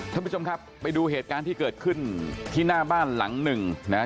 ท่านผู้ชมครับไปดูเหตุการณ์ที่เกิดขึ้นที่หน้าบ้านหลังหนึ่งนะฮะ